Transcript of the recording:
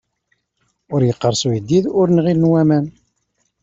Ur iqqeṛṣ uyeddid, ur nɣilen waman.